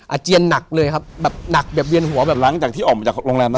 อาเจียนหนักเลยครับแบบหนักแบบเวียนหัวแบบหลังจากที่ออกมาจากโรงแรมมา